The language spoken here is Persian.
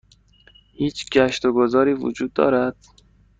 هیچ گشت و گذاری وجود دارد؟